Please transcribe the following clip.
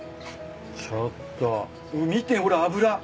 ちょっと見てほら脂。